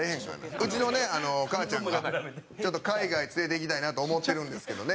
うちのね、お母ちゃんが海外、連れていきたいなと思ってるんですけどね。